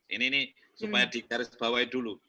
ini ini supaya dikarisbawahi dulu